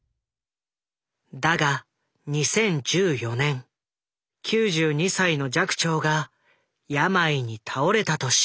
だが２０１４年９２歳の寂聴が病に倒れたと知ると。